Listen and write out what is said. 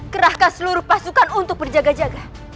kerahkan seluruh pasukan untuk berjaga jaga